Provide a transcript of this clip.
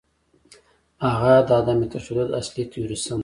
هغه د عدم تشدد اصلي تیوریسن دی.